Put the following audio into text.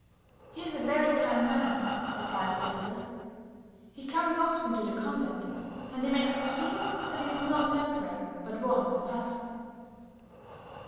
"He is a very kind man," replied Teresa. "He comes often to the convent; and he makes us feel that he is not an emperor but one of us."